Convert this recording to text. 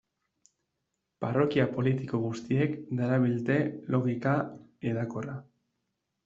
Parrokia politiko guztiek darabilte logika hedakorra.